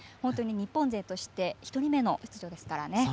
日本勢として１人目の出場ですからね。